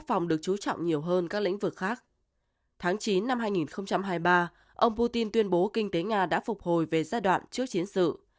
ông putin tuyên bố kinh tế nga đã phục hồi về giai đoạn trước chiến sự